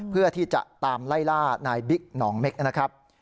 เพื่อที่จะตามไล่ล่านายบิ๊กหนองเม็กนะครับ